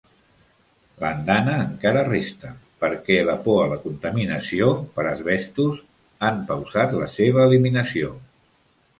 L'andana encara resta, perquè la por a la contaminació per asbestos han pausat la seva eliminació.